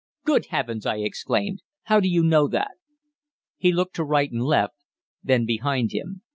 "Good heavens!" I exclaimed, "how do you know that?" He looked to right and left, then behind him.